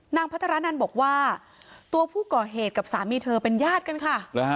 พัทรนันบอกว่าตัวผู้ก่อเหตุกับสามีเธอเป็นญาติกันค่ะ